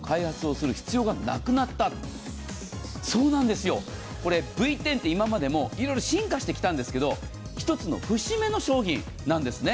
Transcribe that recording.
そうなんですよ、これＶ１０って今までも進化してきたんですけど１つの節目の商品なんですね。